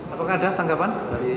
apakah ada tanggapan